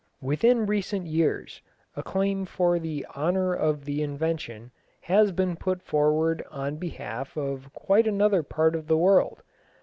Within recent years a claim for the honour of the invention has been put forward on behalf of quite another part of the world.